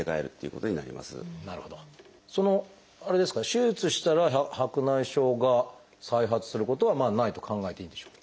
手術したら白内障が再発することはないと考えていいんでしょうか？